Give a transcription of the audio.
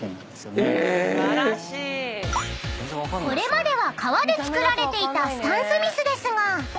［これまでは革で作られていたスタンスミスですが足を覆う］